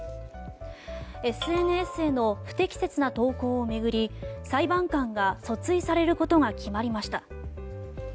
ＳＮＳへの不適切な投稿を巡り裁判官が訴追されることが決まりました。